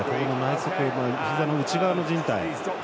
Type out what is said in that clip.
ひざの内側のじん帯。